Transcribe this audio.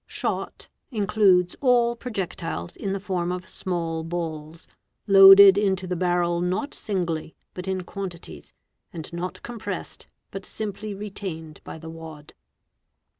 7 Shot includes all projectiles in the form of small balls, loaded into the barrel not singly but in quantities, and not compressed but simply retained by the wad.